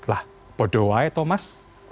lah bodoh aja thomas